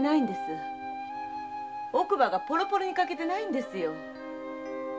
奥歯がポロポロに欠けてないんですよ。